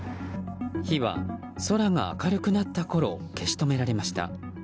火は空が明るくなったころ消し止められました。